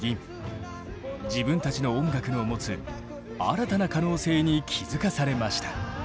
自分たちの音楽のもつ新たな可能性に気付かされました。